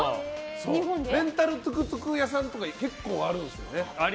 レンタルトゥクトゥク屋さんって結構あるんですよね。